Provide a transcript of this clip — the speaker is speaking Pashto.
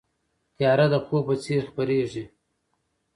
تیاره د خوب په څېر خپرېږي.